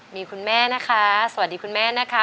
มีคุณแม่นะคะสวัสดีคุณแม่นะคะ